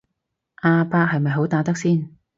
阿伯係咪好打得先